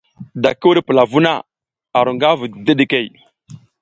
Da ki wuɗ pula vuh na, a ru nga vu dideɗikey.